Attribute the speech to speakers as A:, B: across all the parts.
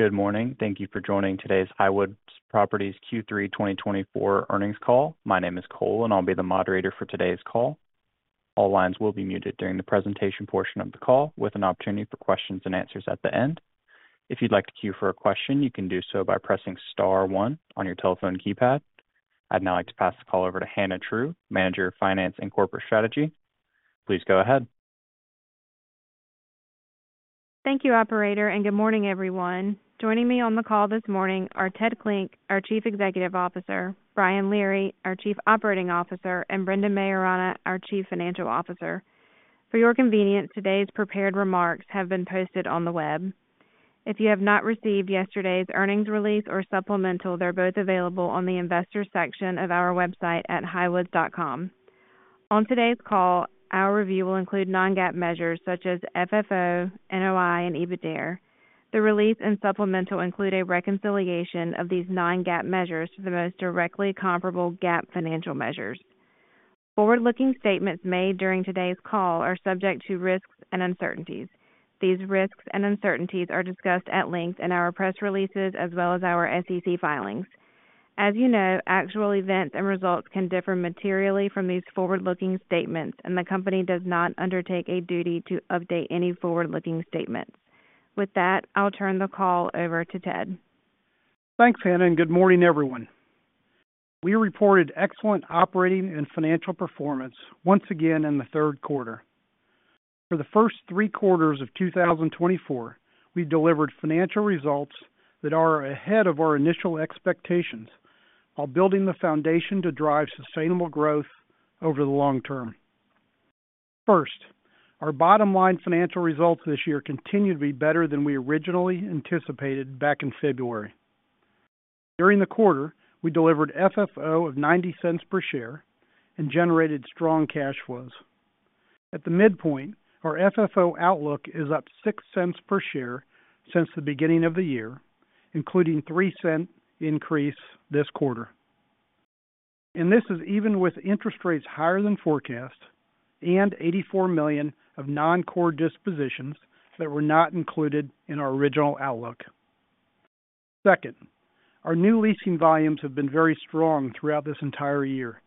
A: Good morning. Thank you for joining today's Highwoods Properties Q3 2024 Earnings Call. My name is Cole, and I'll be the moderator for today's call. All lines will be muted during the presentation portion of the call, with an opportunity for questions and answers at the end. If you'd like to queue for a question, you can do so by pressing star one on your telephone keypad. I'd now like to pass the call over to Hannah True, Manager of Finance and Corporate Strategy. Please go ahead.
B: Thank you, operator, and good morning, everyone. Joining me on the call this morning are Ted Klinck, our Chief Executive Officer, Brian Leary, our Chief Operating Officer, and Brendan Maiorana, our Chief Financial Officer. For your convenience, today's prepared remarks have been posted on the web. If you have not received yesterday's earnings release or supplemental, they're both available on the investor section of our website at highwoods.com. On today's call, our review will include non-GAAP measures such as FFO, NOI, and EBITDARE. The release and supplemental include a reconciliation of these non-GAAP measures to the most directly comparable GAAP financial measures. Forward-looking statements made during today's call are subject to risks and uncertainties. These risks and uncertainties are discussed at length in our press releases as well as our SEC filings. As you know, actual events and results can differ materially from these forward-looking statements, and the company does not undertake a duty to update any forward-looking statements. With that, I'll turn the call over to Ted.
C: Thanks, Hannah, and good morning, everyone. We reported excellent operating and financial performance once again in the third quarter. For the first three quarters of 2024, we've delivered financial results that are ahead of our initial expectations, while building the foundation to drive sustainable growth over the long term. First, our bottom-line financial results this year continue to be better than we originally anticipated back in February. During the quarter, we delivered FFO of $0.90 per share and generated strong cash flows. At the midpoint, our FFO outlook is up $0.06 per share since the beginning of the year, including $0.03 increase this quarter, and this is even with interest rates higher than forecast and $84 million of non-core dispositions that were not included in our original outlook. Second, our new leasing volumes have been very strong throughout this entire year,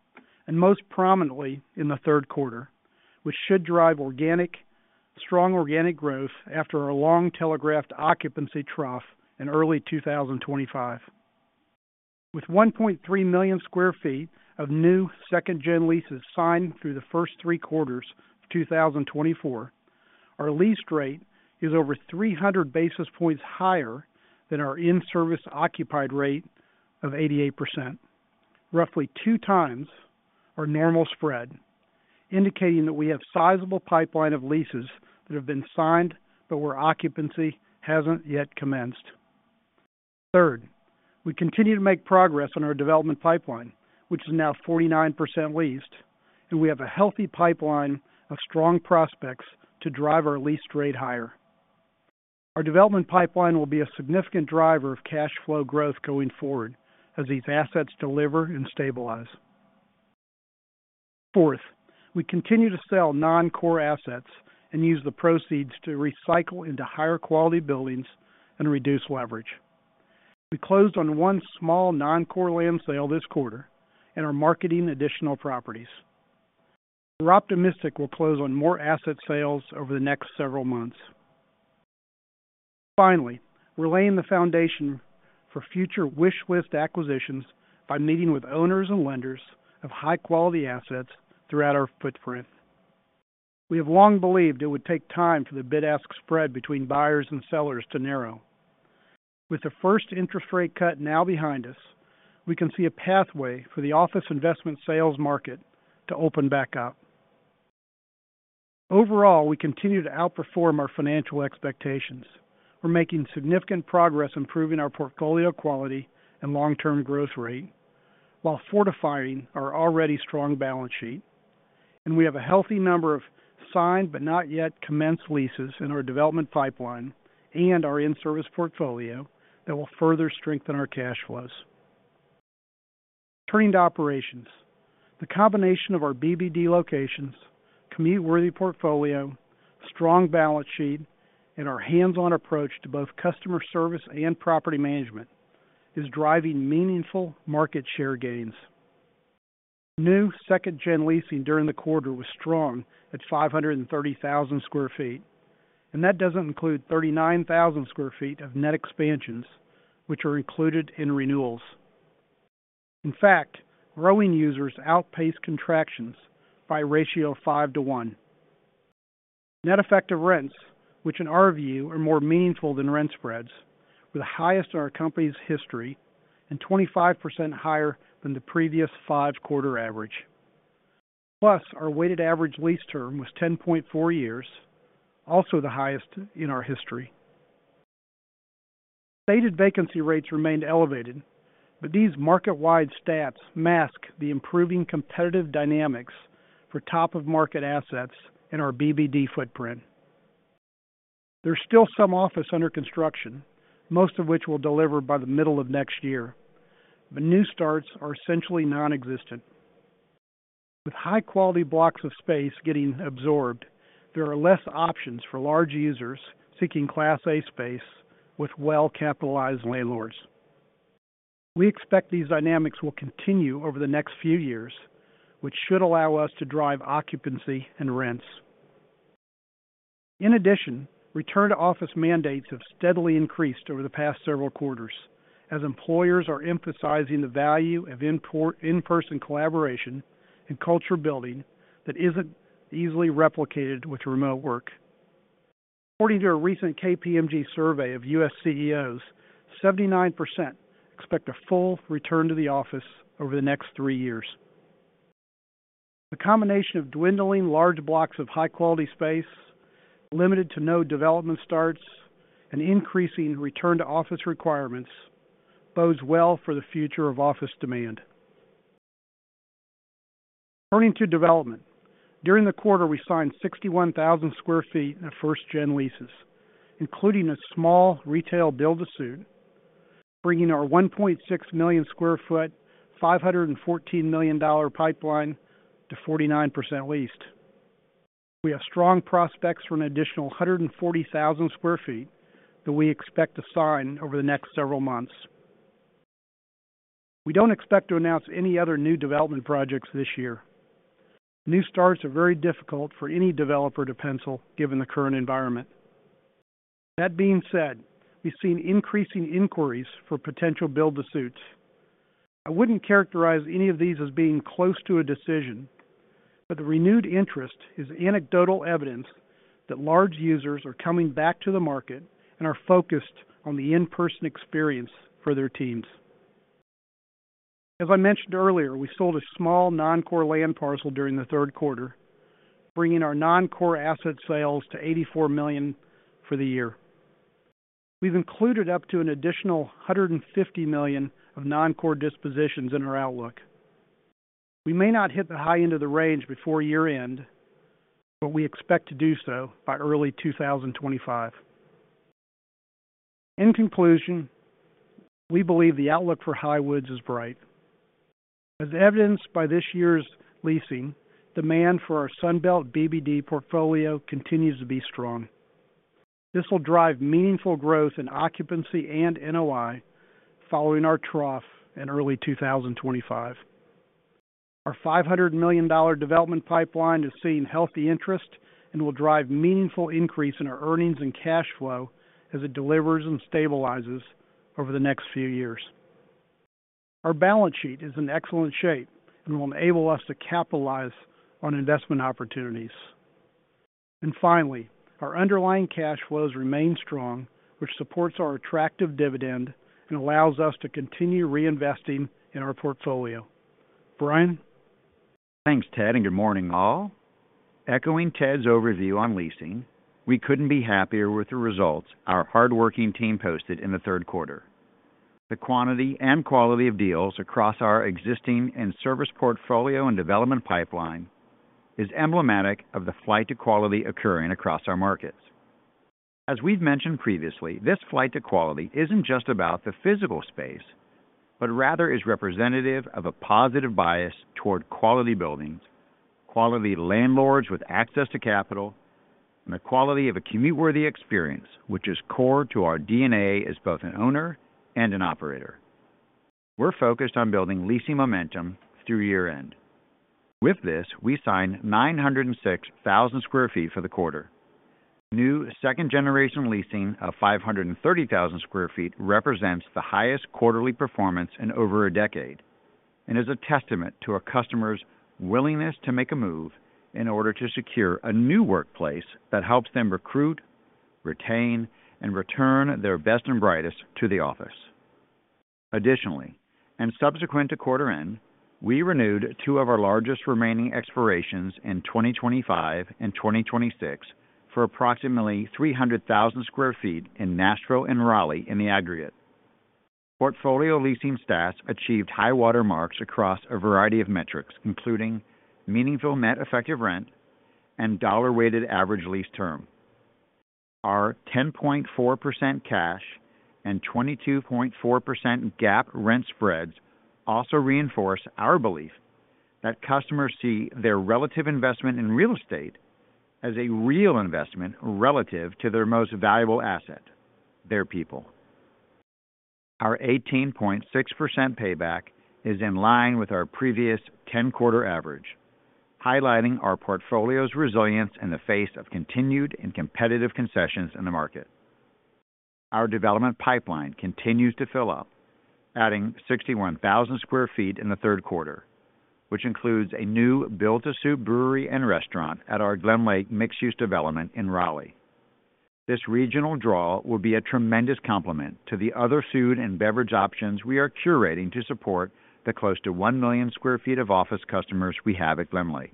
C: and most prominently in the third quarter, which should drive strong organic growth after a long-telegraphed occupancy trough in early 2025. With 1.3 million sq ft of new second gen leases signed through the first three quarters of 2024, our lease rate is over 300 basis points higher than our in-service occupied rate of 88%, roughly two times our normal spread, indicating that we have sizable pipeline of leases that have been signed, but where occupancy hasn't yet commenced. Third, we continue to make progress on our development pipeline, which is now 49% leased, and we have a healthy pipeline of strong prospects to drive our lease rate higher. Our development pipeline will be a significant driver of cash flow growth going forward as these assets deliver and stabilize. Fourth, we continue to sell non-core assets and use the proceeds to recycle into higher quality buildings and reduce leverage. We closed on one small non-core land sale this quarter and are marketing additional properties. We're optimistic we'll close on more asset sales over the next several months. Finally, we're laying the foundation for future wish list acquisitions by meeting with owners and lenders of high-quality assets throughout our footprint. We have long believed it would take time for the bid-ask spread between buyers and sellers to narrow. With the first interest rate cut now behind us, we can see a pathway for the office investment sales market to open back up. Overall, we continue to outperform our financial expectations. We're making significant progress improving our portfolio quality and long-term growth rate, while fortifying our already strong balance sheet, and we have a healthy number of signed, but not yet commenced leases in our development pipeline and our in-service portfolio that will further strengthen our cash flows. Turning to operations. The combination of our BBD locations, commute-worthy portfolio, strong balance sheet, and our hands-on approach to both customer service and property management is driving meaningful market share gains. New second gen leasing during the quarter was strong at 530,000 sq ft, and that doesn't include 39,000 sq ft of net expansions, which are included in renewals. In fact, growing users outpace contractions by a ratio of five to one. Net effective rents, which in our view are more meaningful than rent spreads, were the highest in our company's history and 25% higher than the previous five-quarter average. Plus, our weighted average lease term was 10.4 years, also the highest in our history. Stated vacancy rates remained elevated, but these market-wide stats mask the improving competitive dynamics for top-of-market assets in our BBD footprint. There's still some office under construction, most of which will deliver by the middle of next year, but new starts are essentially non-existent. With high quality blocks of space getting absorbed, there are less options for large users seeking Class A space with well-capitalized landlords. We expect these dynamics will continue over the next few years, which should allow us to drive occupancy and rents. In addition, return to office mandates have steadily increased over the past several quarters, as employers are emphasizing the value of in-person collaboration and culture building that isn't easily replicated with remote work. According to a recent KPMG survey of U.S. CEOs, 79% expect a full return to the office over the next three years. The combination of dwindling large blocks of high-quality space, limited to no development starts, and increasing return to office requirements bodes well for the future of office demand. Turning to development. During the quarter, we signed 61,000 sq ft in first gen leases, including a small retail build-to-suit, bringing our 1.6 million sq ft, $514 million pipeline to 49% leased. We have strong prospects for an additional 140,000 sq ft that we expect to sign over the next several months. We don't expect to announce any other new development projects this year. New starts are very difficult for any developer to pencil, given the current environment. That being said, we've seen increasing inquiries for potential build-to-suits. I wouldn't characterize any of these as being close to a decision, but the renewed interest is anecdotal evidence that large users are coming back to the market and are focused on the in-person experience for their teams. As I mentioned earlier, we sold a small non-core land parcel during the third quarter, bringing our non-core asset sales to $84 million for the year. We've included up to an additional $150 million of non-core dispositions in our outlook. We may not hit the high end of the range before year-end, but we expect to do so by early 2025. In conclusion, we believe the outlook for Highwoods is bright. As evidenced by this year's leasing, demand for our Sun Belt BBD portfolio continues to be strong. This will drive meaningful growth in occupancy and NOI following our trough in early 2025. Our $500 million development pipeline is seeing healthy interest and will drive meaningful increase in our earnings and cash flow as it delivers and stabilizes over the next few years. Our balance sheet is in excellent shape and will enable us to capitalize on investment opportunities. And finally, our underlying cash flows remain strong, which supports our attractive dividend and allows us to continue reinvesting in our portfolio. Brian?
D: Thanks, Ted, and good morning, all. Echoing Ted's overview on leasing, we couldn't be happier with the results our hardworking team posted in the third quarter. The quantity and quality of deals across our existing and service portfolio and development pipeline is emblematic of the flight to quality occurring across our markets. As we've mentioned previously, this flight to quality isn't just about the physical space, but rather is representative of a positive bias toward quality buildings, quality landlords with access to capital, and the quality of a commute-worthy experience, which is core to our DNA as both an owner and an operator. We're focused on building leasing momentum through year-end. With this, we signed 906,000 sq ft for the quarter. New second-generation leasing of 530,000 sq ft represents the highest quarterly performance in over a decade and is a testament to our customers' willingness to make a move in order to secure a new workplace that helps them recruit, retain, and return their best and brightest to the office. Additionally, and subsequent to quarter end, we renewed two of our largest remaining expirations in 2025 and 2026 for approximately 300,000 sq ft in Nashville and Raleigh in the aggregate. Portfolio leasing stats achieved high water marks across a variety of metrics, including meaningful net effective rent and dollar-weighted average lease term. Our 10.4% cash and 22.4% GAAP rent spreads also reinforce our belief that customers see their relative investment in real estate as a real investment relative to their most valuable asset, their people. Our 18.6% payback is in line with our previous 10-quarter average, highlighting our portfolio's resilience in the face of continued and competitive concessions in the market. Our development pipeline continues to fill up, adding 61,000 sq ft in the third quarter, which includes a new build-to-suit brewery and restaurant at our GlenLake mixed-use development in Raleigh. This regional draw will be a tremendous complement to the other food and beverage options we are curating to support the close to 1 million sq ft of office customers we have at GlenLake.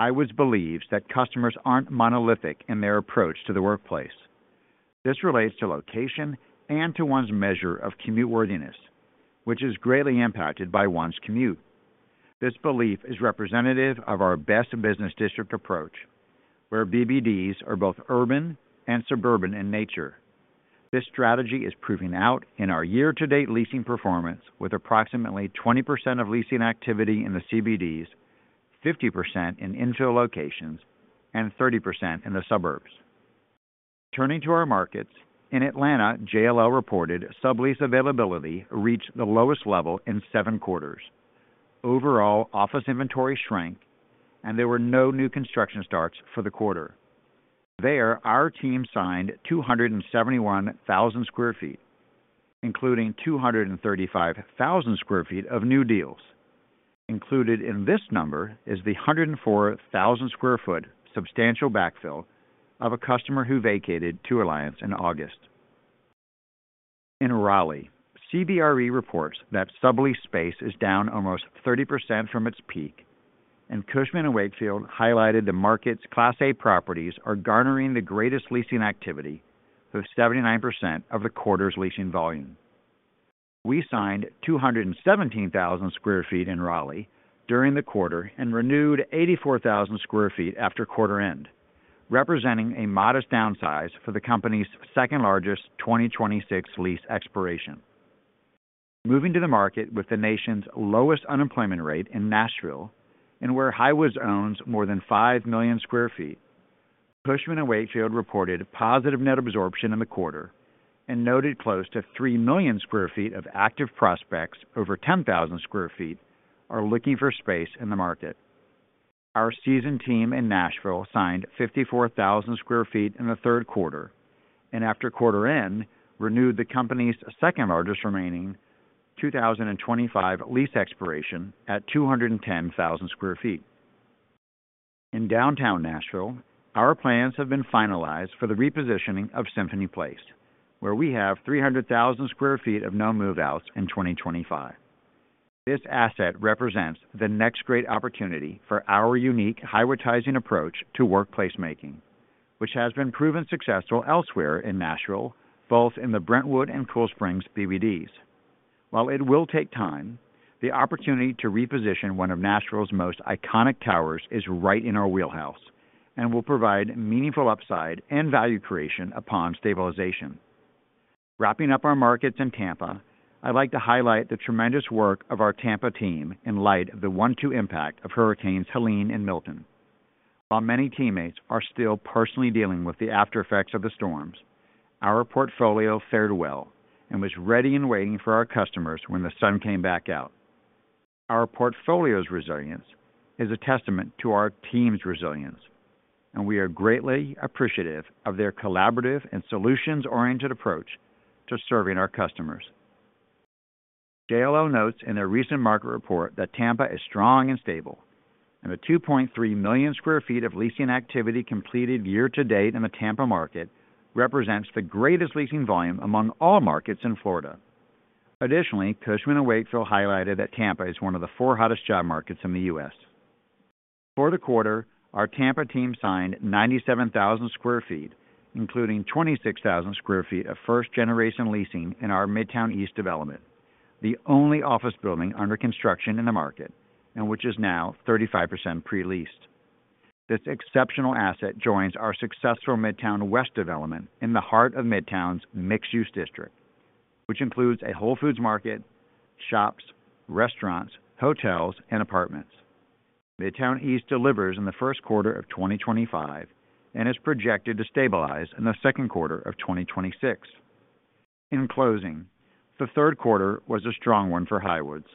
D: Highwoods believes that customers aren't monolithic in their approach to the workplace. This relates to location and to one's measure of commute worthiness, which is greatly impacted by one's commute. This belief is representative of our best business district approach, where BBDs are both urban and suburban in nature.... This strategy is proving out in our year-to-date leasing performance, with approximately 20% of leasing activity in the CBDs, 50% in infill locations, and 30% in the suburbs. Turning to our markets, in Atlanta, JLL reported sublease availability reached the lowest level in seven quarters. Overall, office inventory shrank, and there were no new construction starts for the quarter. There, our team signed 271,000 sq ft, including 235,000 sq ft of new deals. Included in this number is the 104,000 sq ft substantial backfill of a customer who vacated Two Alliance in August. In Raleigh, CBRE reports that sublease space is down almost 30% from its peak, and Cushman & Wakefield highlighted the market's Class A properties are garnering the greatest leasing activity, with 79% of the quarter's leasing volume. We signed 217,000 sq ft in Raleigh during the quarter and renewed 84,000 sq ft after quarter end, representing a modest downsize for the company's second-largest 2026 lease expiration. Moving to the market with the nation's lowest unemployment rate in Nashville, and where Highwoods owns more than 5 million sq ft, Cushman & Wakefield reported a positive net absorption in the quarter and noted close to 3 million sq ft of active prospects over 10,000 sq ft are looking for space in the market. Our seasoned team in Nashville signed 54,000 sq ft in the third quarter, and after quarter end, renewed the company's second-largest remaining 2025 lease expiration at 210,000 sq ft. In downtown Nashville, our plans have been finalized for the repositioning of Symphony Place, where we have 300,000 sq ft of no move-outs in 2025. This asset represents the next great opportunity for our unique Highwoodizing approach to workplace making, which has been proven successful elsewhere in Nashville, both in the Brentwood and Cool Springs BBDs. While it will take time, the opportunity to reposition one of Nashville's most iconic towers is right in our wheelhouse and will provide meaningful upside and value creation upon stabilization. Wrapping up our markets in Tampa, I'd like to highlight the tremendous work of our Tampa team in light of the one-two impact of Hurricanes Helene and Milton. While many teammates are still personally dealing with the aftereffects of the storms, our portfolio fared well and was ready and waiting for our customers when the sun came back out. Our portfolio's resilience is a testament to our team's resilience, and we are greatly appreciative of their collaborative and solutions-oriented approach to serving our customers. JLL notes in their recent market report that Tampa is strong and stable, and the 2.3 million sq ft of leasing activity completed year to date in the Tampa market represents the greatest leasing volume among all markets in Florida. Additionally, Cushman & Wakefield highlighted that Tampa is one of the four hottest job markets in the U.S. For the quarter, our Tampa team signed 97,000 sq ft, including 26,000 sq ft of first-generation leasing in our Midtown East development, the only office building under construction in the market, and which is now 35% pre-leased. This exceptional asset joins our successful Midtown West development in the heart of Midtown's mixed-use district, which includes a Whole Foods Market, shops, restaurants, hotels, and apartments. Midtown East delivers in the first quarter of 2025 and is projected to stabilize in the second quarter of 2026. In closing, the third quarter was a strong one for Highwoods.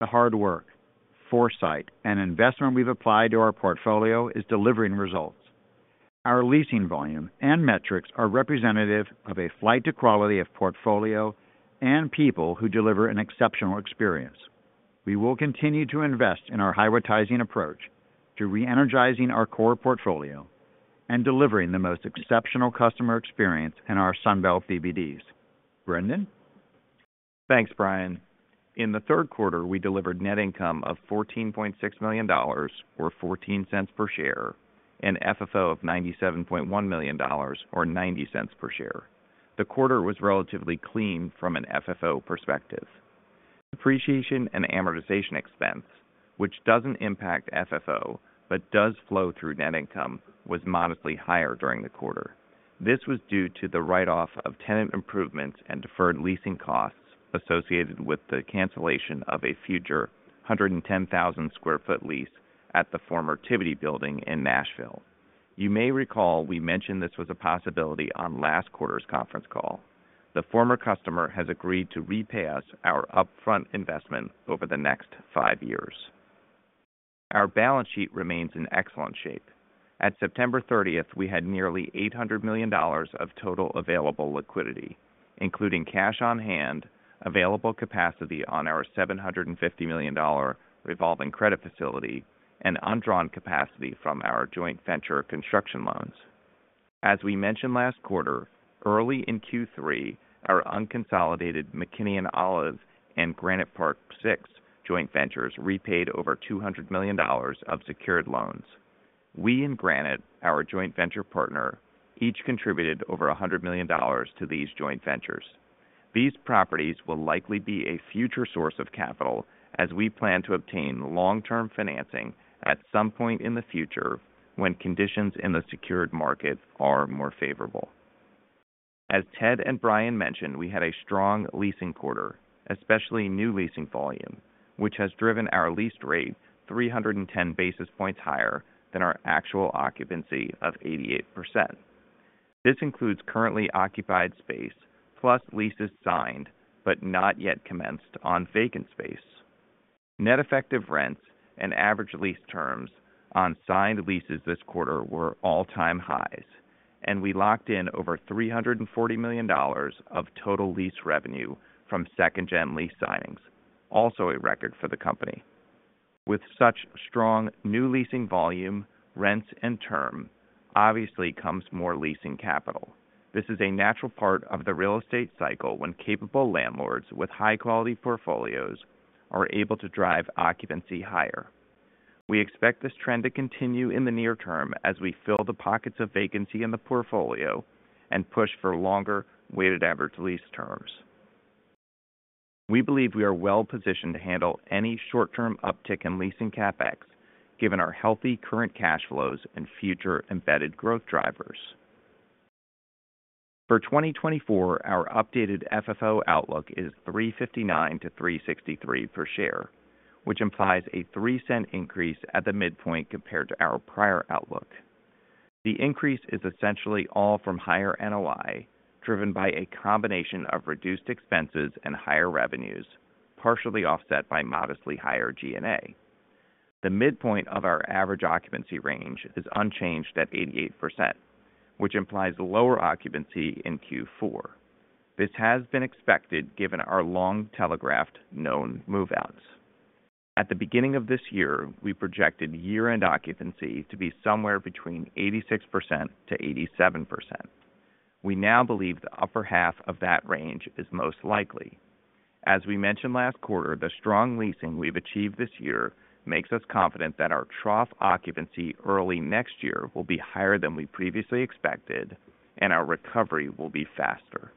D: The hard work, foresight, and investment we've applied to our portfolio is delivering results. Our leasing volume and metrics are representative of a flight to quality of portfolio and people who deliver an exceptional experience. We will continue to invest in our Highwoodizing approach to reenergizing our core portfolio and delivering the most exceptional customer experience in our Sun Belt BBDs. Brendan? Thanks, Brian. In the third quarter, we delivered net income of $14.6 million, or 14 cents per share, and FFO of $97.1 million, or 90 cents per share. The quarter was relatively clean from an FFO perspective. Depreciation and amortization expense, which doesn't impact FFO, but does flow through net income, was modestly higher during the quarter. This was due to the write-off of tenant improvements and deferred leasing costs associated with the cancellation of a future 110,000 sq ft lease at the former Tivity building in Nashville. You may recall we mentioned this was a possibility on last quarter's conference call. The former customer has agreed to repay us our upfront investment over the next five years. Our balance sheet remains in excellent shape. At September thirtieth, we had nearly $800 million of total available liquidity, including cash on hand, available capacity on our $750 million revolving credit facility, and undrawn capacity from our joint venture construction loans. As we mentioned last quarter, early in Q3, our unconsolidated McKinney & Olive and Granite Park Six joint ventures repaid over $200 million of secured loans. We and Granite, our joint venture partner, each contributed over $100 million to these joint ventures.... These properties will likely be a future source of capital as we plan to obtain long-term financing at some point in the future, when conditions in the secured market are more favorable. As Ted and Brian mentioned, we had a strong leasing quarter, especially new leasing volume, which has driven our leased rate 310 basis points higher than our actual occupancy of 88%. This includes currently occupied space, plus leases signed, but not yet commenced on vacant space. Net effective rents and average lease terms on signed leases this quarter were all-time highs, and we locked in over $340 million of total lease revenue from second gen lease signings, also a record for the company. With such strong new leasing volume, rents, and term, obviously comes more leasing capital. This is a natural part of the real estate cycle, when capable landlords with high-quality portfolios are able to drive occupancy higher. We expect this trend to continue in the near term as we fill the pockets of vacancy in the portfolio and push for longer weighted average lease terms. We believe we are well positioned to handle any short-term uptick in leasing CapEx, given our healthy current cash flows and future embedded growth drivers. For 2024, our updated FFO outlook is $3.59-$3.63 per share, which implies a $0.03 increase at the midpoint compared to our prior outlook. The increase is essentially all from higher NOI, driven by a combination of reduced expenses and higher revenues, partially offset by modestly higher G&A. The midpoint of our average occupancy range is unchanged at 88%, which implies lower occupancy in Q4. This has been expected, given our long-telegraphed known move-outs. At the beginning of this year, we projected year-end occupancy to be somewhere between 86%-87%. We now believe the upper half of that range is most likely. As we mentioned last quarter, the strong leasing we've achieved this year makes us confident that our trough occupancy early next year will be higher than we previously expected, and our recovery will be faster.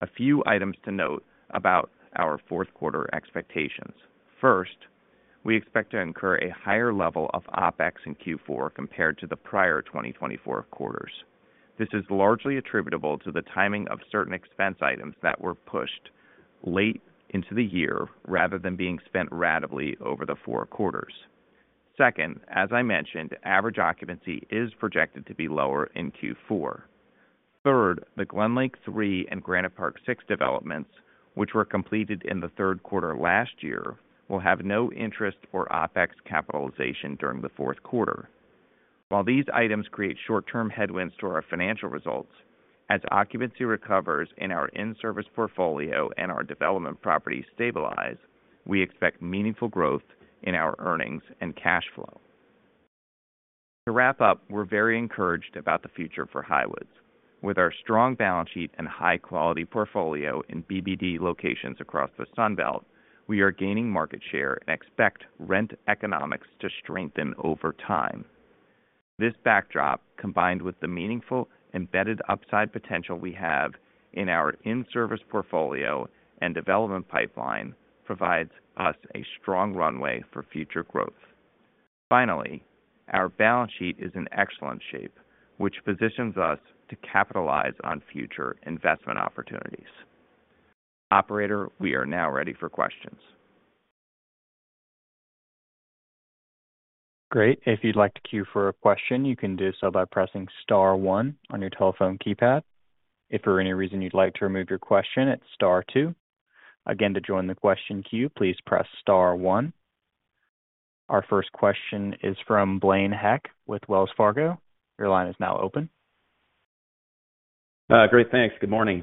D: A few items to note about our fourth quarter expectations. First, we expect to incur a higher level of OpEx in Q4 compared to the prior 2024 quarters. This is largely attributable to the timing of certain expense items that were pushed late into the year rather than being spent ratably over the four quarters. Second, as I mentioned, average occupancy is projected to be lower in Q4. Third, the GlenLake III and Granite Park Six developments, which were completed in the third quarter last year, will have no interest or OpEx capitalization during the fourth quarter. While these items create short-term headwinds to our financial results, as occupancy recovers in our in-service portfolio and our development properties stabilize, we expect meaningful growth in our earnings and cash flow. To wrap up, we're very encouraged about the future for Highwoods. With our strong balance sheet and high-quality portfolio in BBD locations across the Sun Belt, we are gaining market share and expect rent economics to strengthen over time. This backdrop, combined with the meaningful embedded upside potential we have in our in-service portfolio and development pipeline, provides us a strong runway for future growth. Finally, our balance sheet is in excellent shape, which positions us to capitalize on future investment opportunities. Operator, we are now ready for questions.
A: Great. If you'd like to queue for a question, you can do so by pressing star one on your telephone keypad. If for any reason you'd like to remove your question, it's star two. Again, to join the question queue, please press star one. Our first question is from Blaine Heck with Wells Fargo. Your line is now open.
E: Great, thanks. Good morning.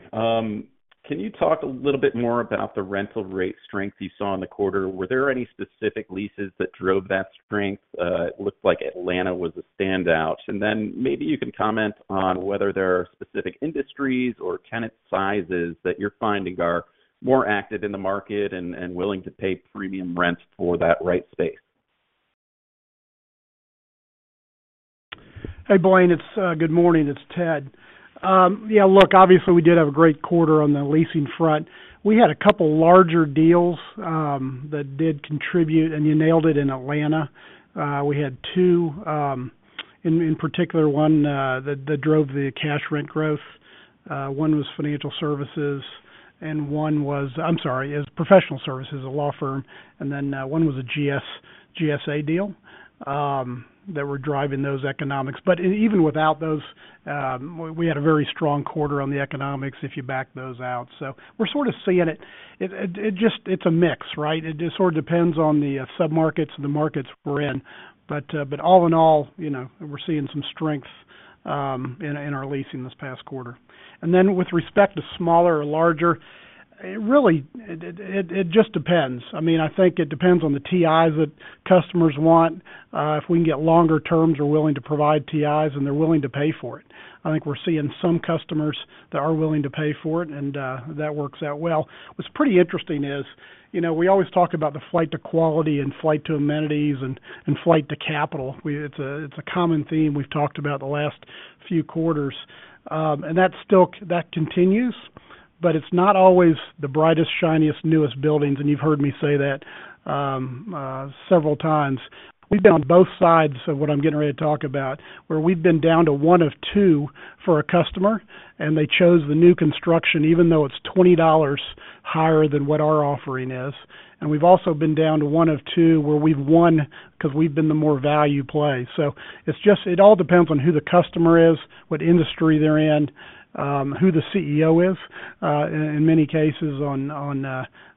E: Can you talk a little bit more about the rental rate strength you saw in the quarter? Were there any specific leases that drove that strength? It looks like Atlanta was a standout, and then maybe you can comment on whether there are specific industries or tenant sizes that you're finding are more active in the market and willing to pay premium rent for that right space.
C: Hey, Blaine. Good morning, it's Ted. Yeah, look, obviously, we did have a great quarter on the leasing front. We had a couple larger deals that did contribute, and you nailed it in Atlanta. We had two in particular, one that drove the cash rent growth. One was financial services, and one was, I'm sorry, it was professional services, a law firm, and then one was a GSA deal that were driving those economics. But even without those, we had a very strong quarter on the economics if you back those out. So we're sort of seeing it. It just, it's a mix, right? It just sort of depends on the submarkets and the markets we're in. But all in all, you know, we're seeing some strength in our leasing this past quarter, and then with respect to smaller or larger, it really just depends. I mean, I think it depends on the TIs that customers want. If we can get longer terms, we're willing to provide TIs, and they're willing to pay for it. I think we're seeing some customers that are willing to pay for it, and that works out well. What's pretty interesting is, you know, we always talk about the flight to quality and flight to amenities and flight to capital. It's a common theme we've talked about the last few quarters, and that still continues, but it's not always the brightest, shiniest, newest buildings, and you've heard me say that several times. We've been on both sides of what I'm getting ready to talk about, where we've been down to one of two for a customer, and they chose the new construction, even though it's $20 higher than what our offering is, and we've also been down to one of two, where we've won because we've been the more value play, so it's just, it all depends on who the customer is, what industry they're in, who the CEO is, in many cases, on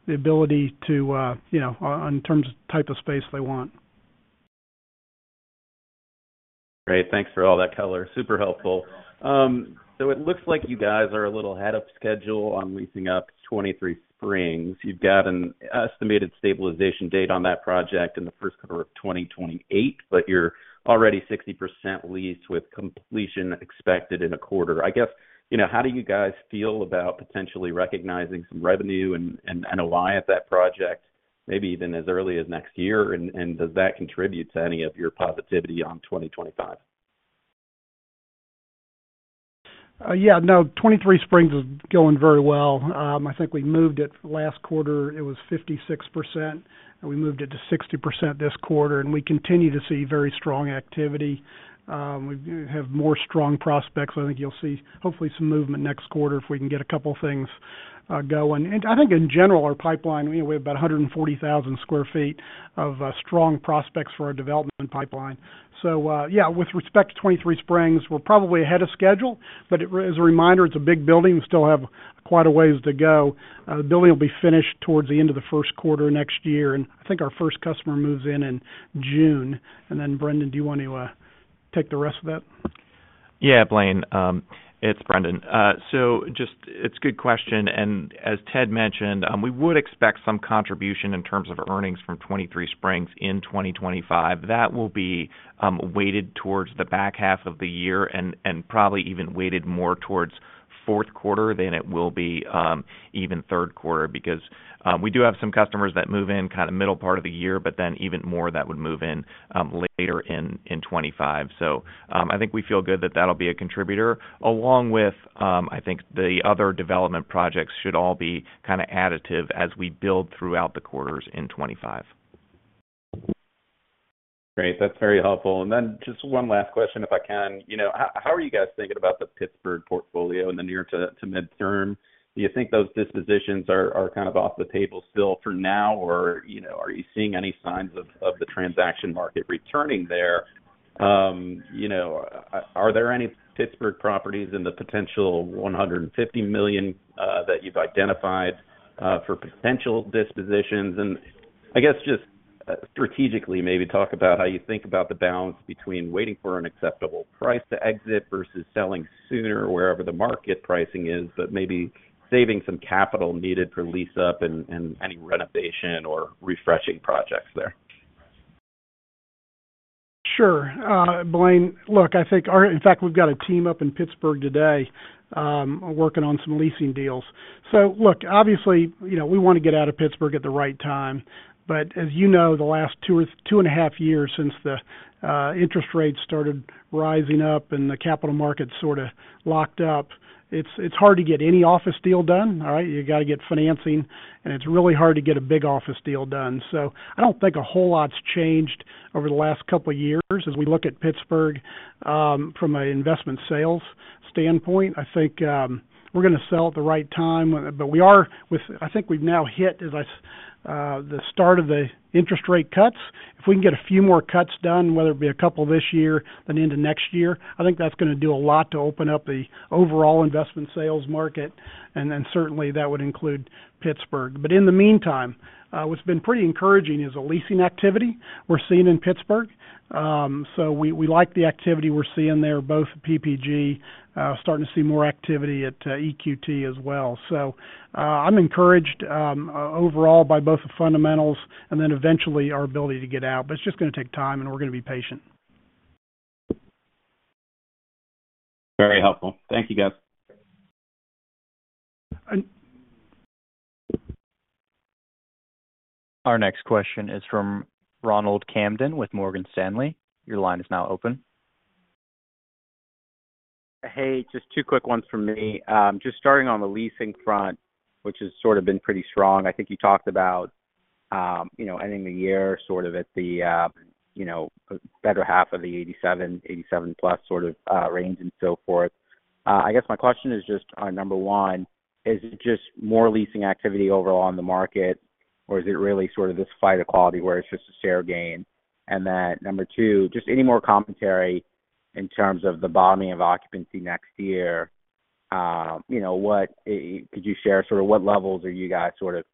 C: the ability to, you know, in terms of type of space they want.
E: Great. Thanks for all that color. Super helpful. So it looks like you guys are a little ahead of schedule on leasing up 23Springs. You've got an estimated stabilization date on that project in the first quarter of 2028, but you're already 60% leased, with completion expected in a quarter. I guess, you know, how do you guys feel about potentially recognizing some revenue and NOI at that project, maybe even as early as next year? And does that contribute to any of your positivity on 2025?
C: Yeah. No, 23Springs is going very well. I think we moved it last quarter, it was 56%, and we moved it to 60% this quarter, and we continue to see very strong activity. We do have more strong prospects. I think you'll see, hopefully, some movement next quarter if we can get a couple of things going. And I think in general, our pipeline, we have about 140,000 sq ft of strong prospects for our development pipeline. So, yeah, with respect to 23Springs, we're probably ahead of schedule, but it, as a reminder, it's a big building. We still have quite a ways to go. The building will be finished towards the end of the first quarter next year, and I think our first customer moves in in June. And then, Brendan, do you want to take the rest of that?
F: Yeah, Blaine. It's Brendan. So just it's a good question, and as Ted mentioned, we would expect some contribution in terms of earnings from 23Springs in 2025. That will be weighted towards the back half of the year and probably even weighted more towards fourth quarter than it will be even third quarter, because we do have some customers that move in kind of middle part of the year, but then even more that would move in later in 2025. So I think we feel good that that'll be a contributor, along with I think the other development projects should all be kind of additive as we build throughout the quarters in 2025.
E: Great. That's very helpful. And then just one last question, if I can. You know, how are you guys thinking about the Pittsburgh portfolio in the near to midterm? Do you think those dispositions are kind of off the table still for now, or you know, are you seeing any signs of the transaction market returning there? You know, are there any Pittsburgh properties in the potential $150 million that you've identified for potential dispositions? And I guess just strategically, maybe talk about how you think about the balance between waiting for an acceptable price to exit versus selling sooner, wherever the market pricing is, but maybe saving some capital needed for lease-up and any renovation or refreshing projects there.
C: Sure. Blaine, look, I think in fact, we've got a team up in Pittsburgh today, working on some leasing deals. So look, obviously, you know, we want to get out of Pittsburgh at the right time, but as you know, the last two, two and a half years, since the interest rates started rising up and the capital markets sort of locked up, it's hard to get any office deal done. All right? You got to get financing, and it's really hard to get a big office deal done. So I don't think a whole lot's changed over the last couple of years as we look at Pittsburgh from an investment sales standpoint. I think we're gonna sell at the right time, but I think we've now hit the start of the interest rate cuts. If we can get a few more cuts done, whether it be a couple this year and into next year, I think that's gonna do a lot to open up the overall investment sales market, and then certainly that would include Pittsburgh. But in the meantime, what's been pretty encouraging is the leasing activity we're seeing in Pittsburgh. So we like the activity we're seeing there, both PPG starting to see more activity at EQT as well. So I'm encouraged overall by both the fundamentals and then eventually our ability to get out, but it's just gonna take time, and we're gonna be patient.
E: Very helpful. Thank you, guys.
F: And-
A: Our next question is from Ronald Kamdem with Morgan Stanley. Your line is now open.
G: Hey, just two quick ones from me. Just starting on the leasing front, which has sort of been pretty strong. I think you talked about, you know, ending the year sort of at the, you know, better half of the 87, 87+ sort of, range and so forth. I guess my question is just, number one, is it just more leasing activity overall on the market, or is it really sort of this flight to quality, where it's just a fair game? And then, number two, just any more commentary in terms of the bottoming of occupancy next year, you know, what could you share sort of what levels are you guys sort of,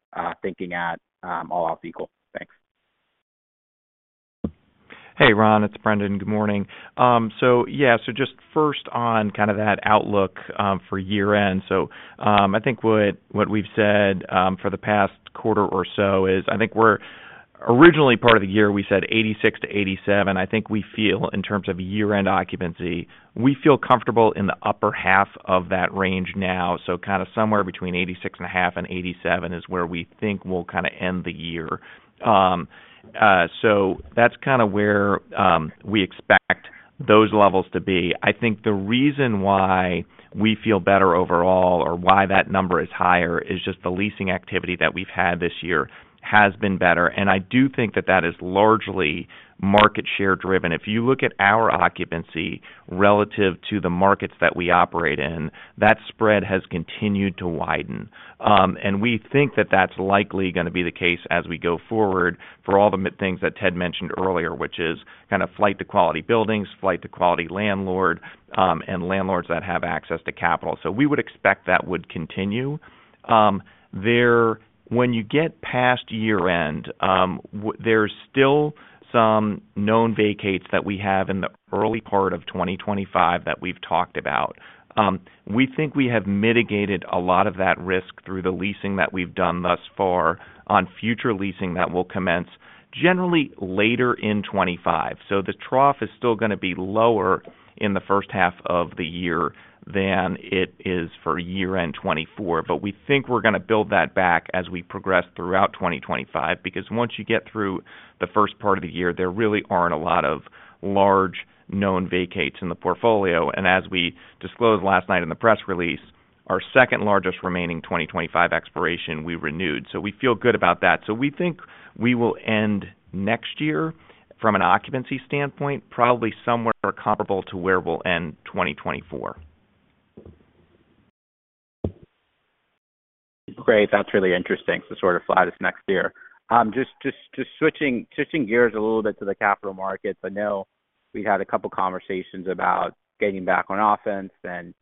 G: thinking at, all else equal? Thanks.
F: Hey, Ron, it's Brendan. Good morning. Yeah, so just first on kind of that outlook for year-end. I think what we've said for the past quarter or so is, I think originally part of the year, we said 86%-87%. I think we feel in terms of year-end occupancy, we feel comfortable in the upper half of that range now. So kind of somewhere between 86.5% and 87% is where we think we'll kind of end the year. So that's kind of where we expect those levels to be. I think the reason why we feel better overall, or why that number is higher, is just the leasing activity that we've had this year has been better, and I do think that is largely market share driven. If you look at our occupancy relative to the markets that we operate in, that spread has continued to widen, and we think that that's likely gonna be the case as we go forward for all the main things that Ted mentioned earlier, which is kind of flight to quality buildings, flight to quality landlord, and landlords that have access to capital, so we would expect that would continue. When you get past year-end, there's still some known vacates that we have in the early part of 2025 that we've talked about. We think we have mitigated a lot of that risk through the leasing that we've done thus far on future leasing that will commence generally later in 2025. So the trough is still gonna be lower in the first half of the year than it is for year-end 2024. But we think we're gonna build that back as we progress throughout 2025, because once you get through the first part of the year, there really aren't a lot of large known vacates in the portfolio. And as we disclosed last night in the press release, our second largest remaining 2025 expiration, we renewed. So we feel good about that. So we think we will end next year, from an occupancy standpoint, probably somewhere comparable to where we'll end 2024.
G: Great. That's really interesting to sort of fly this next year. Just switching gears a little bit to the capital markets. I know we had a couple conversations about getting back on offense and,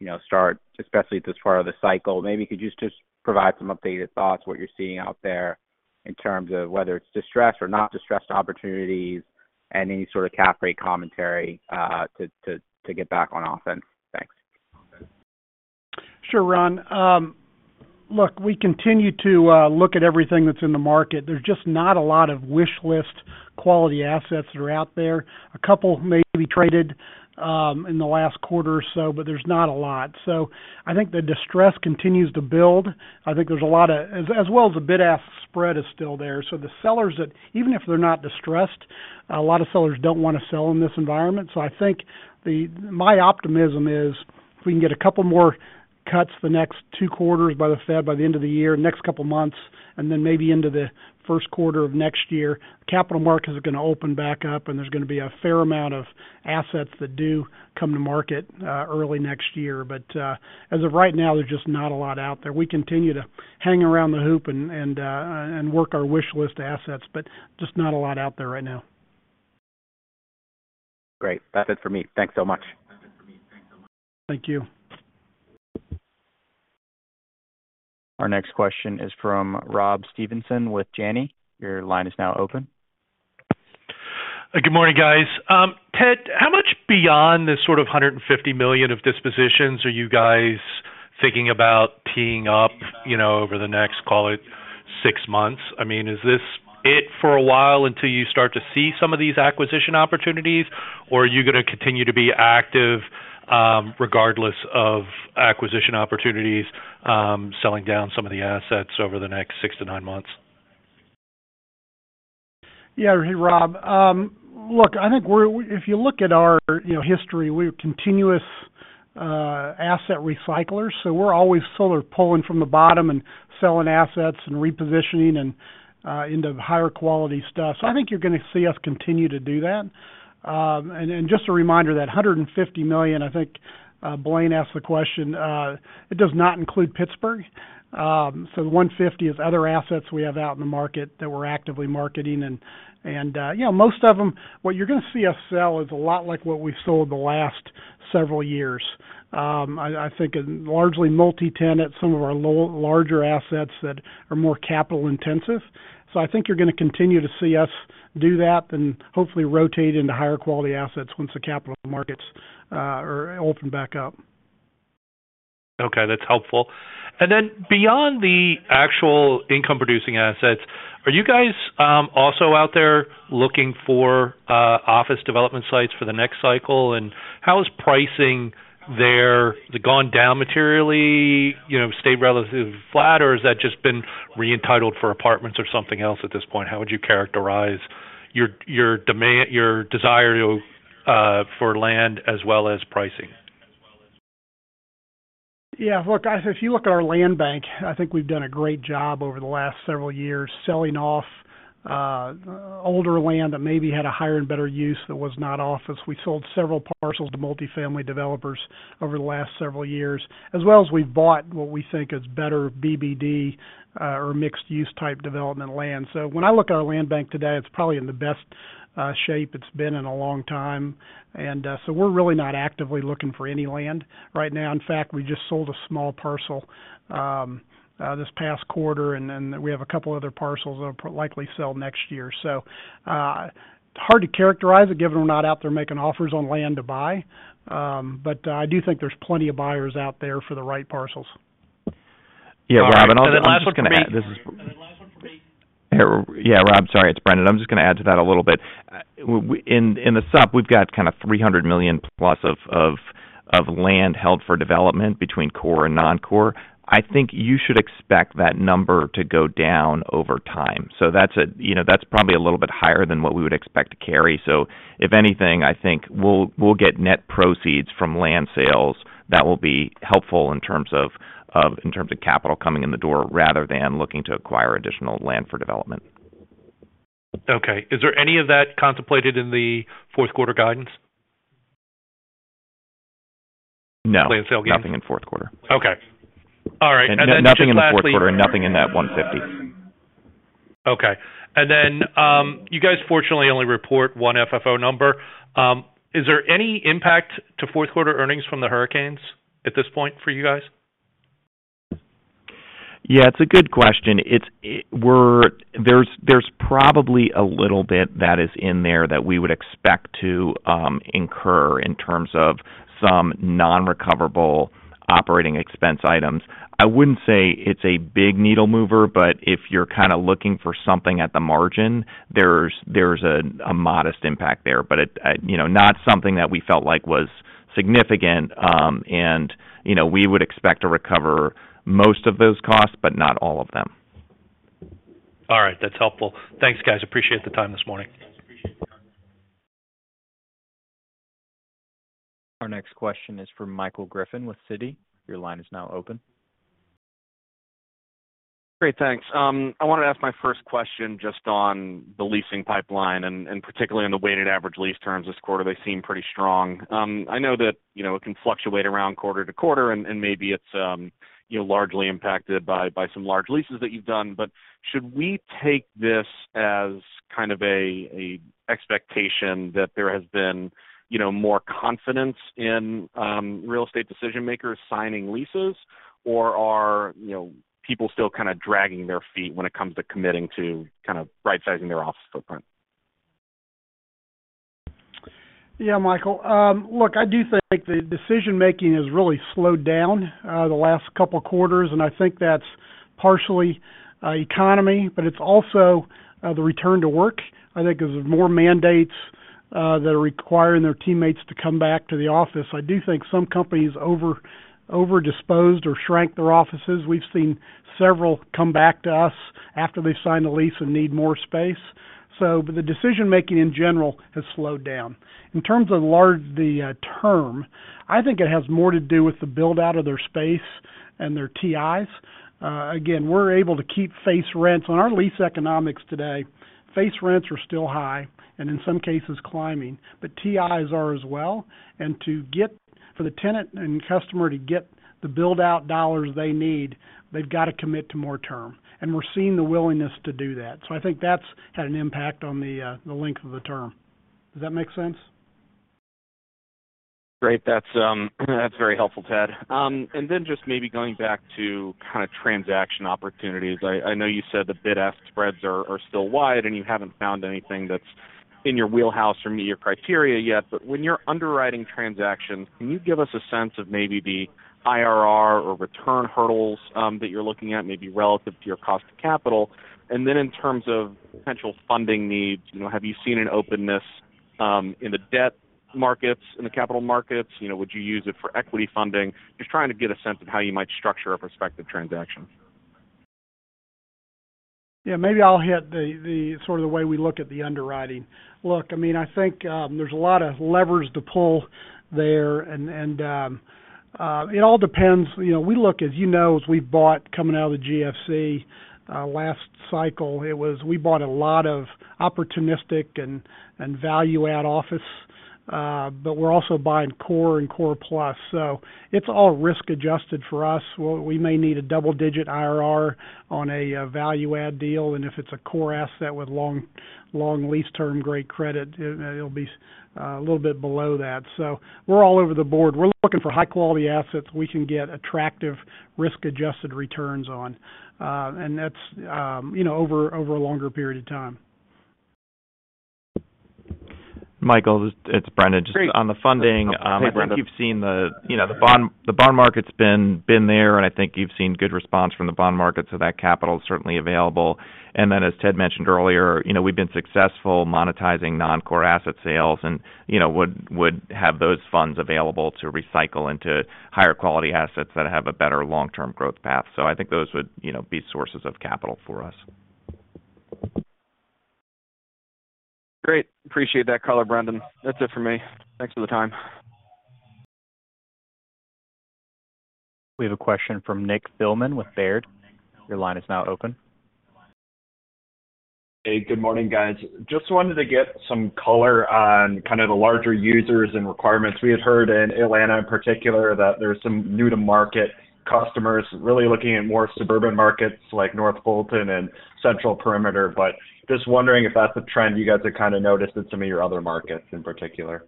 G: you know, start especially at this part of the cycle. Maybe you could just provide some updated thoughts, what you're seeing out there in terms of whether it's distressed or not distressed opportunities, and any sort of cap rate commentary, to get back on offense. Thanks.
C: Sure, Ron. Look, we continue to look at everything that's in the market. There's just not a lot of wish list quality assets that are out there. A couple may be traded in the last quarter or so, but there's not a lot. So I think the distress continues to build. I think there's a lot of as well as the bid-ask spread is still there. So the sellers that even if they're not distressed, a lot of sellers don't wanna sell in this environment. So I think my optimism is, if we can get a couple more cuts the next two quarters by the Fed, by the end of the year, next couple months, and then maybe into the first quarter of next year, capital markets are gonna open back up, and there's gonna be a fair amount of assets that do come to market, early next year. But, as of right now, there's just not a lot out there. We continue to hang around the hoop and work our wish list assets, but just not a lot out there right now.
G: Great. That's it for me. Thanks so much.
C: Thank you.
A: Our next question is from Rob Stevenson with Janney. Your line is now open.
H: Good morning, guys. Ted, how much beyond this sort of $150 million of dispositions are you guys thinking about teeing up, you know, over the next, call it, six months? I mean, is this it for a while until you start to see some of these acquisition opportunities, or are you gonna continue to be active, regardless of acquisition opportunities, selling down some of the assets over the next six-to-nine months?
C: Yeah, Rob, look, I think we're, if you look at our, you know, history, we're continuous asset recyclers, so we're always sort of pulling from the bottom and selling assets and repositioning and into higher quality stuff. So I think you're gonna see us continue to do that, and just a reminder, that $150 million, I think, Blaine asked the question, it does not include Pittsburgh. So the $150 million is other assets we have out in the market that we're actively marketing, and, you know, most of them, what you're gonna see us sell is a lot like what we've sold the last several years. I think largely multi-tenant, some of our larger assets that are more capital intensive. I think you're gonna continue to see us do that and hopefully rotate into higher quality assets once the capital markets are open back up.
H: Okay, that's helpful. And then beyond the actual income-producing assets, are you guys also out there looking for office development sites for the next cycle? And how is pricing there? Has it gone down materially, you know, stayed relatively flat, or has that just been re-entitled for apartments or something else at this point? How would you characterize your desire for land as well as pricing?
C: Yeah, look, guys, if you look at our land bank, I think we've done a great job over the last several years, selling off older land that maybe had a higher and better use that was not office. We sold several parcels to multifamily developers over the last several years, as well as we've bought what we think is better BBD or mixed-use type development land. So when I look at our land bank today, it's probably in the best shape it's been in a long time. And so we're really not actively looking for any land right now. In fact, we just sold a small parcel this past quarter, and then we have a couple other parcels that will likely sell next year. So, hard to characterize it, given we're not out there making offers on land to buy, but I do think there's plenty of buyers out there for the right parcels.
F: Yeah, Rob, and I'm just gonna add...
H: Last one for me.
F: Yeah, Rob, sorry, it's Brendan. I'm just gonna add to that a little bit. In the Sun Belt, we've got kind of $300 million plus of land held for development between core and non-core, I think you should expect that number to go down over time. So that's a, you know, that's probably a little bit higher than what we would expect to carry. So if anything, I think we'll get net proceeds from land sales that will be helpful in terms of, in terms of capital coming in the door, rather than looking to acquire additional land for development.
H: Okay. Is there any of that contemplated in the fourth quarter guidance?
F: No, nothing in fourth quarter.
H: Okay. All right.
F: And nothing in fourth quarter, and nothing in that 150.
H: Okay. And then, you guys fortunately only report one FFO number. Is there any impact to fourth quarter earnings from the hurricanes at this point for you guys?
F: Yeah, it's a good question. There's probably a little bit that is in there that we would expect to incur in terms of some non-recoverable operating expense items. I wouldn't say it's a big needle mover, but if you're kind of looking for something at the margin, there's a modest impact there. But it, you know, not something that we felt like was significant. And, you know, we would expect to recover most of those costs, but not all of them.
H: All right. That's helpful. Thanks, guys. Appreciate the time this morning.
A: Our next question is from Michael Griffin with Citi. Your line is now open.
I: Great, thanks. I wanted to ask my first question just on the leasing pipeline and particularly on the weighted average lease terms this quarter. They seem pretty strong. I know that, you know, it can fluctuate around quarter to quarter, and maybe it's, you know, largely impacted by some large leases that you've done. But should we take this as kind of an expectation that there has been, you know, more confidence in real estate decision makers signing leases? Or are, you know, people still kind of dragging their feet when it comes to committing to kind of right sizing their office footprint?
C: Yeah, Michael. Look, I do think the decision making has really slowed down the last couple of quarters, and I think that's partially economy, but it's also the return to work. I think there's more mandates that are requiring their teammates to come back to the office. I do think some companies over disposed or shrank their offices. We've seen several come back to us after they've signed a lease and need more space. So but the decision making in general has slowed down. In terms of large, the term, I think it has more to do with the build-out of their space and their TIs. Again, we're able to keep face rents. On our lease economics today, face rents are still high and in some cases climbing, but TIs are as well. And to get... For the tenant and customer to get the build-out dollars they need, they've got to commit to more term, and we're seeing the willingness to do that. So I think that's had an impact on the length of the term. Does that make sense?
I: Great. That's very helpful, Ted, and then just maybe going back to kind of transaction opportunities. I know you said the bid-ask spreads are still wide, and you haven't found anything that's in your wheelhouse or meet your criteria yet, but when you're underwriting transactions, can you give us a sense of maybe the IRR or return hurdles that you're looking at, maybe relative to your cost of capital, and then in terms of potential funding needs, you know, have you seen an openness in the debt markets, in the capital markets, you know, would you use it for equity funding, just trying to get a sense of how you might structure a prospective transaction.
C: Yeah, maybe I'll hit the sort of way we look at the underwriting. Look, I mean, I think there's a lot of levers to pull there, and it all depends. You know, we look, as you know, as we've bought coming out of the GFC last cycle, it was, we bought a lot of opportunistic and value add office, but we're also buying core and core plus, so it's all risk adjusted for us. Well, we may need a double-digit IRR on a value add deal, and if it's a core asset with long, long lease term, great credit, it, it'll be a little bit below that. So we're all over the board. We're looking for high-quality assets we can get attractive risk-adjusted returns on. And that's, you know, over a longer period of time.
F: Michael, it's Brendan. Just on the funding, I think you've seen the bond market's been there, and I think you've seen good response from the bond market, so that capital is certainly available. And then, as Ted mentioned earlier, you know, we've been successful monetizing non-core asset sales and would have those funds available to recycle into higher quality assets that have a better long-term growth path. So I think those would be sources of capital for us.
I: Great. Appreciate that color, Brendan. That's it for me. Thanks for the time.
A: We have a question from Nick Thillman with Baird. Your line is now open.
J: Hey, good morning, guys. Just wanted to get some color on kind of the larger users and requirements. We had heard in Atlanta, in particular, that there's some new to market customers really looking at more suburban markets like North Fulton and Central Perimeter. But just wondering if that's a trend you guys have kind of noticed in some of your other markets in particular?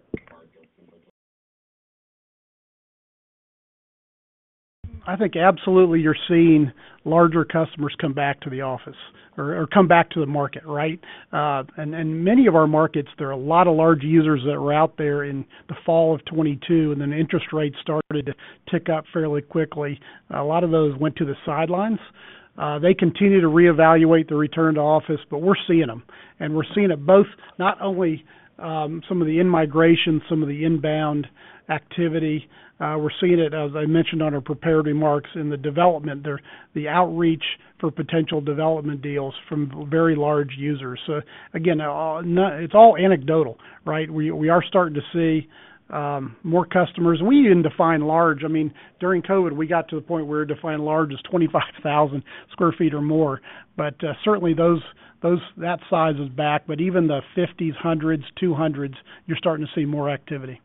C: I think absolutely, you're seeing larger customers come back to the office or come back to the market, right? And many of our markets, there are a lot of large users that were out there in the fall of 2022, and then interest rates started to tick up fairly quickly. A lot of those went to the sidelines. They continue to reevaluate the return to office, but we're seeing them, and we're seeing it both, not only some of the in-migration, some of the inbound activity, we're seeing it, as I mentioned on our prepared remarks, in the development there, the outreach for potential development deals from very large users. So again, it's all anecdotal, right? We are starting to see more customers. We didn't define large. I mean, during COVID, we got to the point where we defined large as 25,000 sq ft or more, but certainly those that size is back, but even the 50s, 100s, 200s, you're starting to see more activity.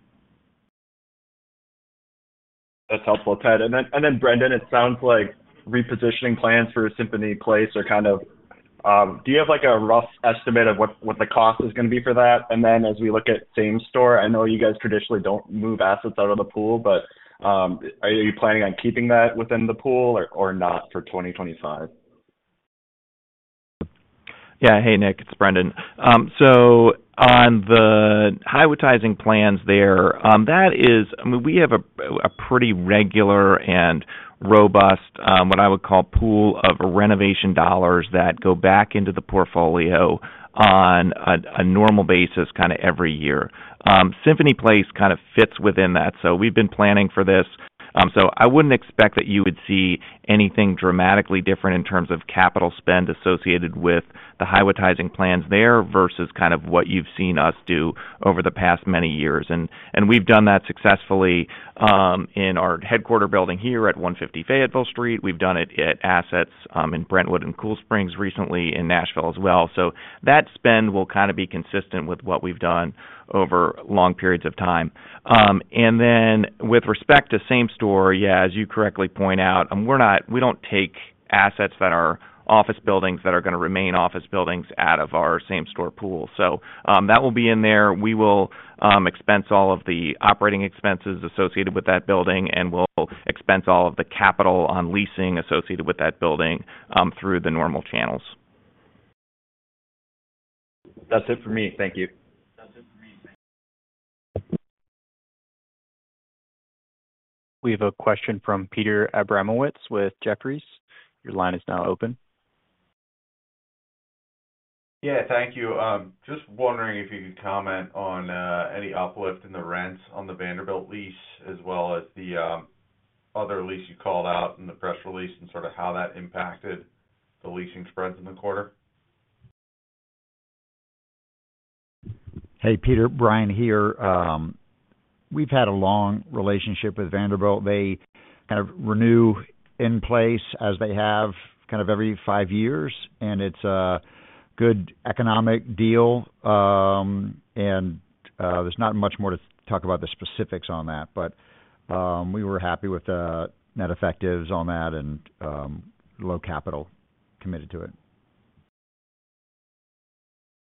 J: That's helpful, Ted. And then, Brendan, it sounds like repositioning plans for Symphony Place are kind of. Do you have, like, a rough estimate of what the cost is gonna be for that? And then, as we look at same store, I know you guys traditionally don't move assets out of the pool, but, are you planning on keeping that within the pool or not for 2025?
F: Yeah. Hey, Nick, it's Brendan. So on the Highwoodizing plans there, that is-- I mean, we have a pretty regular and robust what I would call pool of renovation dollars that go back into the portfolio on a normal basis, kinda every year. Symphony Place kind of fits within that, so we've been planning for this. So I wouldn't expect that you would see anything dramatically different in terms of capital spend associated with the Highwoodizing plans there, versus kind of what you've seen us do over the past many years. And we've done that successfully in our headquarters building here at 150 Fayetteville Street. We've done it at assets in Brentwood and Cool Springs, recently in Nashville as well. So that spend will kind of be consistent with what we've done over long periods of time. And then, with respect to same store, yeah, as you correctly point out, we're not, we don't take assets that are office buildings, that are gonna remain office buildings, out of our same store pool. So, that will be in there. We will expense all of the operating expenses associated with that building, and we'll expense all of the capital on leasing associated with that building, through the normal channels.
J: That's it for me. Thank you.
A: We have a question from Peter Abramowitz with Jefferies. Your line is now open.
K: Yeah, thank you. Just wondering if you could comment on any uplift in the rents on the Vanderbilt lease, as well as the other lease you called out in the press release, and sort of how that impacted the leasing spreads in the quarter.
D: Hey, Peter, Brian here. We've had a long relationship with Vanderbilt. They kind of renew in place as they have kind of every five years, and it's a good economic deal, and there's not much more to talk about the specifics on that, but we were happy with the net effectives on that and low capital committed to it.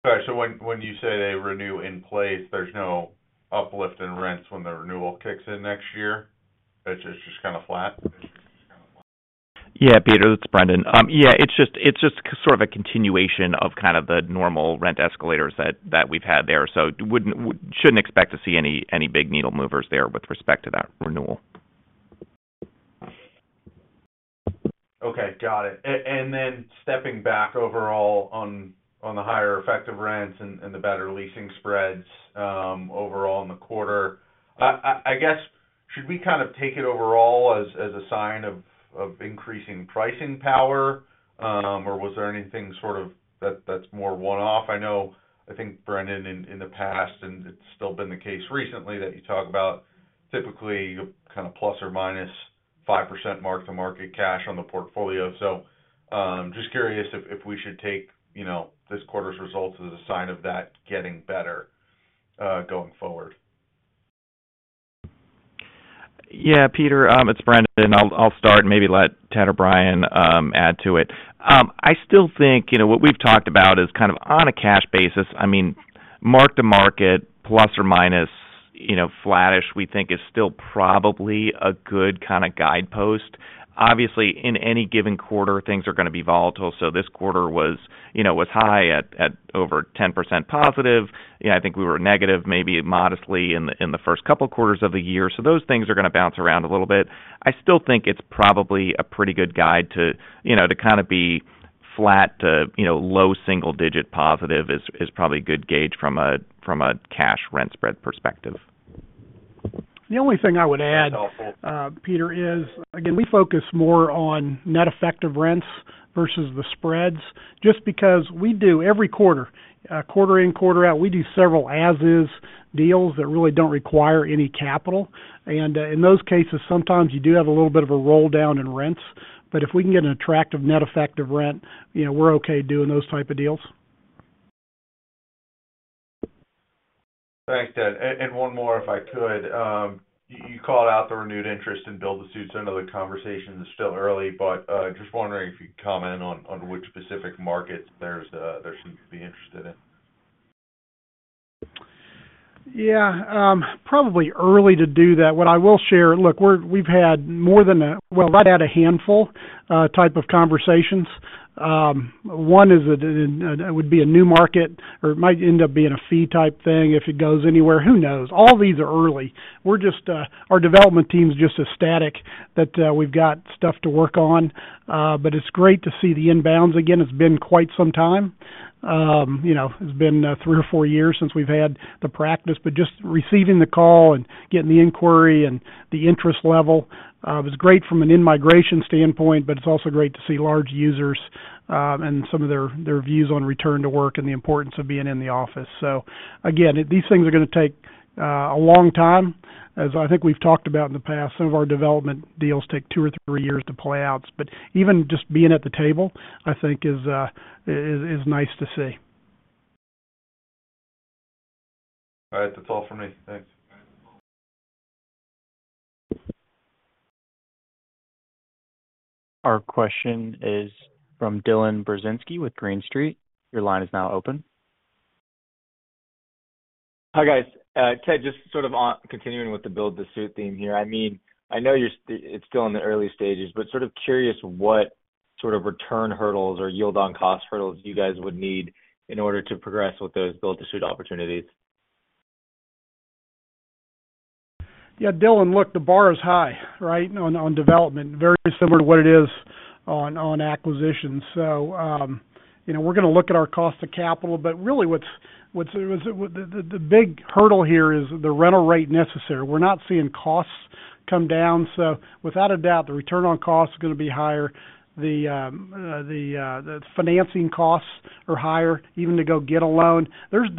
K: Sorry. So when you say they renew in place, there's no uplift in rents when the renewal kicks in next year? It's just kind of flat.
F: Yeah, Peter, it's Brendan. Yeah, it's just sort of a continuation of kind of the normal rent escalators that we've had there. So shouldn't expect to see any big needle movers there with respect to that renewal.
K: Okay, got it. And then, stepping back overall on the higher effective rents and the better leasing spreads, overall in the quarter, I guess, should we kind of take it overall as a sign of increasing pricing power? Or was there anything sort of that's more one-off? I know. I think, Brendan, in the past, and it's still been the case recently, that you talk about typically kind of plus or minus 5% mark to market cash on the portfolio. So, just curious if we should take, you know, this quarter's results as a sign of that getting better, going forward.
F: Yeah, Peter, it's Brendan. I'll start and maybe let Ted or Brian add to it. I still think, you know, what we've talked about is kind of on a cash basis, I mean, mark to market, plus or minus, you know, flattish, we think is still probably a good kind of guidepost. Obviously, in any given quarter, things are gonna be volatile, so this quarter was, you know, was high at over 10% positive. You know, I think we were negative, maybe modestly, in the first couple quarters of the year. So those things are gonna bounce around a little bit. I still think it's probably a pretty good guide to, you know, to kind of be flat to, you know, low single digit positive, is probably a good gauge from a cash rent spread perspective.
C: The only thing I would add-
K: That's helpful.
C: Peter, again, we focus more on net effective rents versus the spreads, just because we do every quarter, quarter in, quarter out, we do several as is deals that really don't require any capital. And in those cases, sometimes you do have a little bit of a roll down in rents, but if we can get an attractive net effective rent, you know, we're okay doing those type of deals.
K: Thanks, Ted. And one more, if I could. You called out the renewed interest in build-to-suit, so I know the conversation is still early, but just wondering if you could comment on which specific markets there seems to be interest in.
C: Yeah, probably early to do that. What I will share, look, we've had more than a, well, about a handful type of conversations. One is that it would be a new market, or it might end up being a fee type thing if it goes anywhere. Who knows? All these are early. We're just our development team is just ecstatic that we've got stuff to work on. But it's great to see the inbounds again. It's been quite some time. You know, it's been three or four years since we've had the practice, but just receiving the call and getting the inquiry and the interest level was great from an in-migration standpoint, but it's also great to see large users and some of their views on return to work and the importance of being in the office. So again, these things are gonna take a long time. As I think we've talked about in the past, some of our development deals take two or three years to play out, but even just being at the table, I think is nice to see.
H: All right, that's all for me. Thanks.
A: Our question is from Dylan Burzinski with Green Street. Your line is now open.
L: Hi, guys. Ted, just sort of on continuing with the build-to-suit theme here. I mean, I know you're, it's still in the early stages, but sort of curious what sort of return hurdles or yield on cost hurdles you guys would need in order to progress with those build-to-suit opportunities.
C: Yeah, Dylan, look, the bar is high, right, on development, very similar to what it is on acquisition. So, you know, we're gonna look at our cost of capital, but really, what's the big hurdle here is the rental rate necessary. We're not seeing costs come down, so without a doubt, the return on cost is gonna be higher. The financing costs are higher, even to go get a loan. There's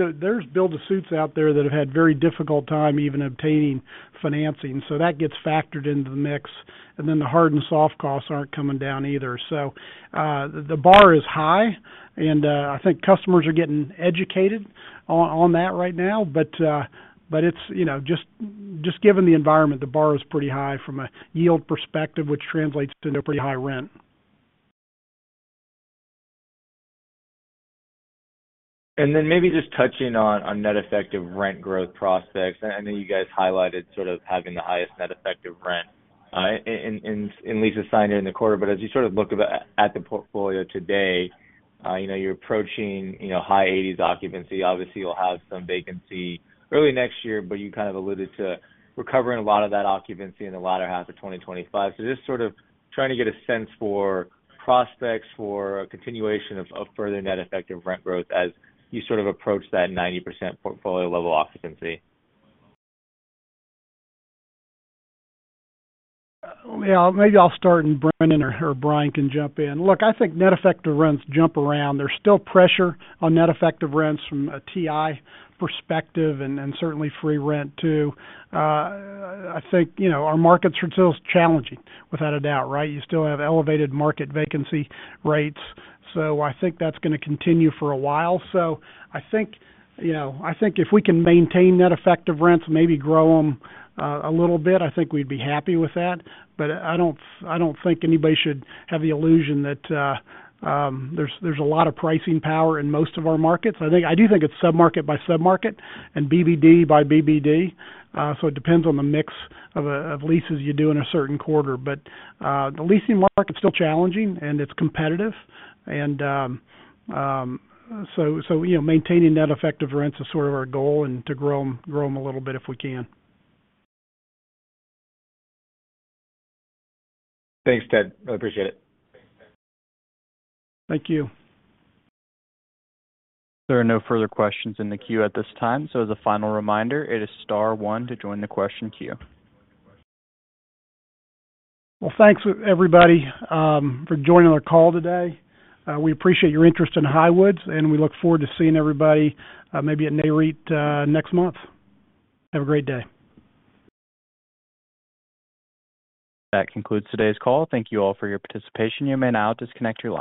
C: build-to-suits out there that have had very difficult time even obtaining financing, so that gets factored into the mix. And then the hard and soft costs aren't coming down either. So, the bar is high, and I think customers are getting educated on that right now. But it's, you know, just given the environment, the bar is pretty high from a yield perspective, which translates to a pretty high rent.
L: And then maybe just touching on net effective rent growth prospects. I know you guys highlighted sort of having the highest net effective rent in leases signed in the quarter. But as you sort of look at the portfolio today, you know, you're approaching, you know, high eighties occupancy. Obviously, you'll have some vacancy early next year, but you kind of alluded to recovering a lot of that occupancy in the latter half of 2025. So just sort of trying to get a sense for prospects for a continuation of further net effective rent growth as you sort of approach that 90% portfolio level occupancy.
C: Yeah, maybe I'll start, and Brendan or Brian can jump in. Look, I think net effective rents jump around. There's still pressure on net effective rents from a TI perspective and certainly free rent, too. I think, you know, our markets are still challenging, without a doubt, right? You still have elevated market vacancy rates, so I think that's gonna continue for a while. So I think, you know, I think if we can maintain net effective rents, maybe grow them a little bit, I think we'd be happy with that. But I don't think anybody should have the illusion that there's a lot of pricing power in most of our markets. I think I do think it's submarket by submarket and BBD by BBD. So it depends on the mix of leases you do in a certain quarter. But the leasing market is still challenging, and it's competitive. And you know, maintaining net effective rents is sort of our goal and to grow them a little bit if we can.
L: Thanks, Ted. I appreciate it.
C: Thank you.
A: There are no further questions in the queue at this time, so as a final reminder, it is star one to join the question queue.
C: Thanks, everybody, for joining our call today. We appreciate your interest in Highwoods, and we look forward to seeing everybody, maybe at Nareit, next month. Have a great day.
A: That concludes today's call. Thank you all for your participation. You may now disconnect your line.